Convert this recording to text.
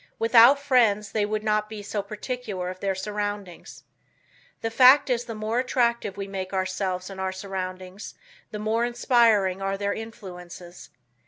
Without friends they would not be so particular of their surroundings. The fact is the more attractive we make ourselves and our surroundings the more inspiring are their influences.